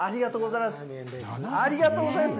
ありがとうございます。